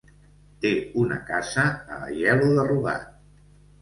Té una casa a Aielo de Rugat.